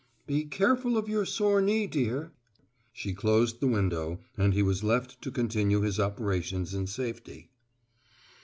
"Be careful of your sore knee, dear." She closed the window, and he was left to continue his operations in safety.